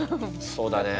そうだね。